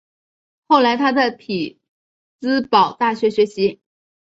后来他在匹兹堡大学学习。